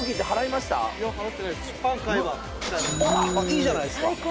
いいじゃないっすか。